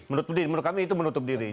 menutup diri menurut kami itu menutup diri